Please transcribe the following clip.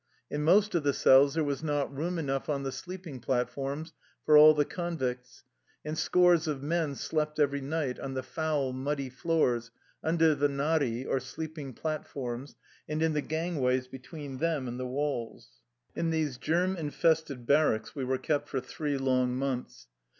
In most of the cells there was not room enough on the sleep ing platforms for all the convicts, and scores of men slept every night on the foul, muddy floors, under the nari/ and in the gangways between them and the walls. ..." In these germ infested barracks we were kept for three long months.